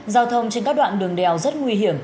giao thông trên các đoạn đường đèo rất nguy hiểm